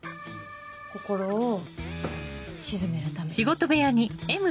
心を静めるために。